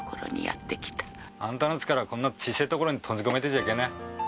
あんたの力はこんな小せえところに閉じ込めてちゃいけねえ。